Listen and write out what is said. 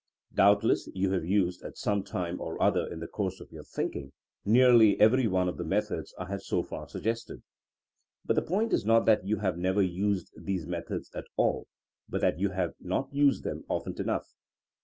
Doubtless you have used, at some time or other in the course of your thinking, nearly every one of the methods I have so far sug gested. But the point is not that you have never used these metiiods at all, but that you have not used them often enough.